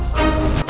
itu ya bapak